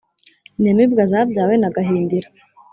inyamibwa zabyawe na gahindiro